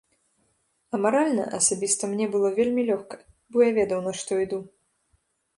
А маральна асабіста мне было вельмі лёгка, бо я ведаў, на што іду.